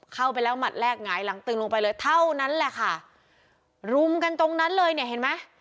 เข้าไปแล้วหมัดแรกหงายหลังตึงลงไปเลยเท่านั้นแหละค่ะรุมกันตรงนั้นเลยเนี่ยเห็นไหม